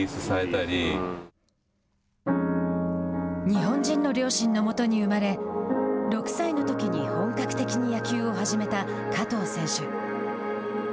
日本人の両親のもとに生まれ６歳のときに本格的に野球を始めた加藤選手。